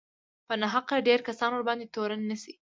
په ناحقه ډېر کسان ورباندې تورن نه شي